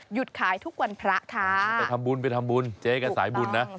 ขายทุกวันพระค่ะไปทำบุญไปทำบุญเจ๊ก็สายบุญนะ